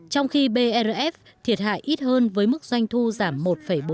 trong khi brf thiệt hại ít hơn với mức doanh thu giảm một bốn mươi năm